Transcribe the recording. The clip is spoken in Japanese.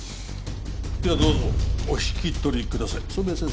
ではどうぞお引き取りください染谷先生